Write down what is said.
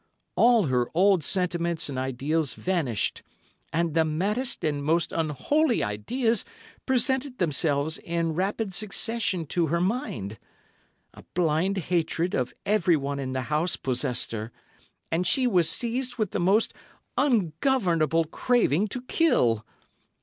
All her old sentiments and ideals vanished, and the maddest and most unholy ideas presented themselves in rapid succession to her mind. A blind hatred of everyone in the house possessed her, and she was seized with the most ungovernable craving to kill.